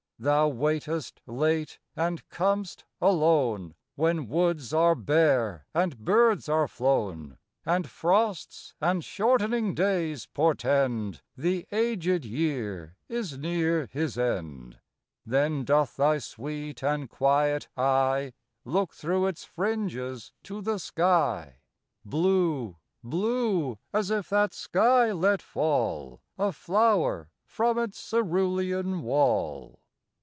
Thou waitest late and com'st alone, When woods are bare and birds are flown, And frosts and shortening days portend The aged year is near his end. Then doth thy sweet and quiet eye Look through its fringes to the sky, Blue blue as if that sky let fall A flower from its cerulean wall.